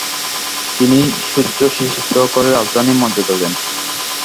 তিনি সুসজ্জিত করে রাজধানীর মর্যাদা দেন।